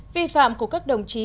vi phạm của các đồng chí